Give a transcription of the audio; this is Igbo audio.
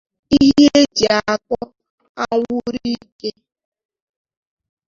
ihe e ji akpọ anwụrụ ike